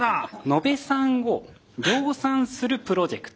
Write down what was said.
野部さんを量産するプロジェクト。